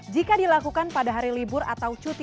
jika dilakukan pada hari libur atau cuti